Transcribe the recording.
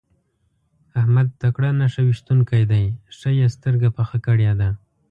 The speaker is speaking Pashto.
احمد تکړه نښه ويشتونکی دی؛ ښه يې سترګه پخه کړې ده.